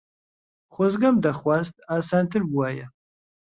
خۆزگەم دەخواست ئاسانتر بووایە.